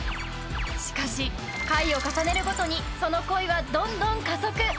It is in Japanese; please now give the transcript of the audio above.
しかし回を重ねるごとにその恋はどんどん加速